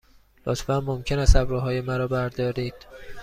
لطفاً ممکن است ابروهای مرا بردارید؟